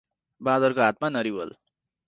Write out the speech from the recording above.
बाँदरको हातमा नरिवल